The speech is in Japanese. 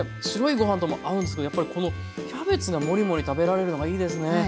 白いご飯とも合うんですけどやっぱりこのキャベツがモリモリ食べられるのがいいですね。